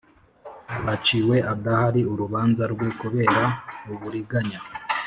rwaciwe adahari urubanza rwe kubera uburiganya